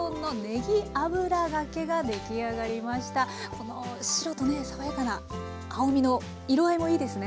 この白とね爽やかな青みの色合いもいいですね。